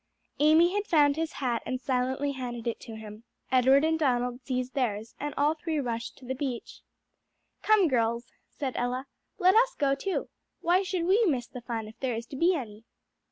Amy had found his hat and silently handed it to him. Edward and Donald seized theirs, and all three rushed to the beach. "Come, girls," said Ella, "let us go too; why should we miss the fun, if there is to be any?"